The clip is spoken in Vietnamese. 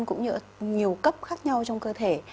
cũng như nhiều cấp khác nhau trong cơ thể